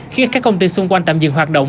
khi các công ty xung quanh tạm dừng hoạt động